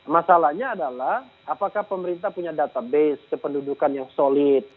masalahnya adalah apakah pemerintah punya database kependudukan yang solid